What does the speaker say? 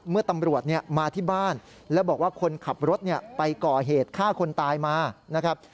เมื่อตำรวจมาที่บ้านแล้วบอกว่าคนขับรถไปก่อเหตุฆ่าคนตายมานะครับ